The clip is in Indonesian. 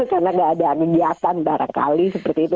karena nggak ada anegyatan barangkali seperti itu